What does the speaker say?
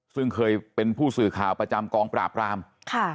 ซึ่งเคยเป็นผู้สื่อข่าวประจำกองปราบรามค่ะ